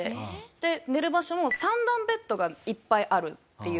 で寝る場所も三段ベッドがいっぱいあるっていう。